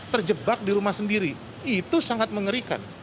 terjebak di rumah sendiri itu sangat mengerikan